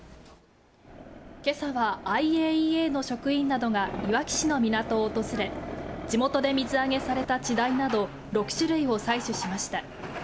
けさはＩＡＥＡの職員などが、いわき市の港を訪れ、地元で水揚げされたチダイなど、６種類を採取しました。